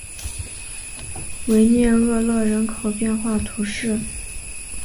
维涅厄勒人口变化图示